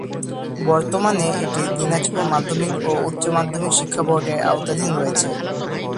বর্তমানে এটি দিনাজপুর মাধ্যমিক ও উচ্চ মাধ্যমিক শিক্ষা বোর্ডের আওতাধীন রয়েছে।